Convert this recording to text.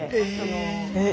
え！